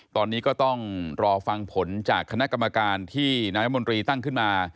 ตอนนี้ก็ต้องรอฟังผลจากคณะกรรมการที่นายรัฐมนตรีตั้งขึ้นมา